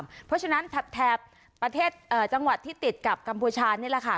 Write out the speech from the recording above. เพราะฉะนั้นแถบประเทศจังหวัดที่ติดกับกัมพูชานี่แหละค่ะ